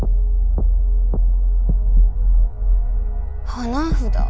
花札？